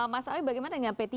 mas awi bagaimana dengan p tiga